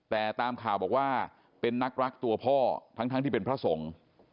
แต่ตามข่าวบอกว่าเป็นนักรักตัวพ่อทั้งที่เป็นพระสงฆ์